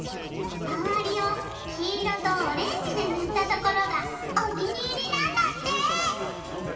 まわりをきいろとオレンジでぬったところがおきにいりなんだって！